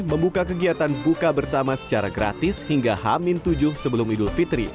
membuka kegiatan buka bersama secara gratis hingga hamin tujuh sebelum idul fitri